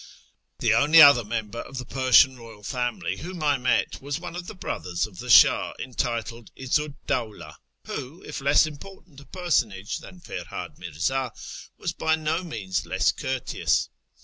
The only other member of the Persian royal family whom I met was one of the brothers of the Shah, entitled 'Izzu 'd Dawla, who, if less important a personage than Ferhad Mi'rza, was by no means less courteous.